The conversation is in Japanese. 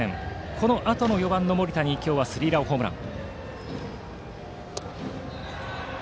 このあとの４番の森田にスリーランホームラン。